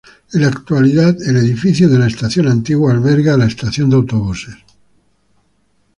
En la actualidad el edificio de la estación antigua alberga la estación de autobuses.